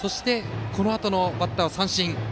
そのあとのバッターを三振。